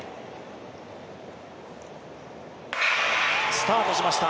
スタートしました。